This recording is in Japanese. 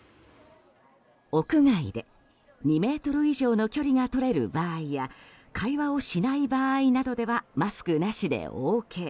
屋外で２ｍ以上の距離が取れる場合や会話をしない場合などではマスクなしでＯＫ。